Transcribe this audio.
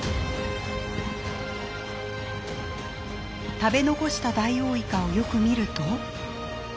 食べ残したダイオウイカをよく見ると。